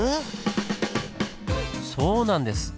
そうなんです！